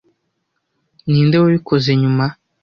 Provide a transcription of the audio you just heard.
Ninde wabikoze nyuma?